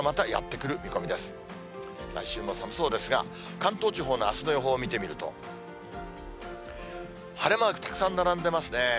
来週も寒そうですが、関東地方のあすの予報を見てみると、晴れマーク、たくさん並んでますね。